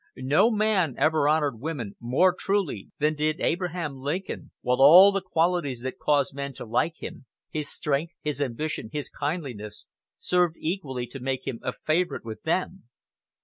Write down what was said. No man ever honored women more truly than did Abraham Lincoln; while all the qualities that caused men to like him his strength, his ambition, his kindliness served equally to make him a favorite with them.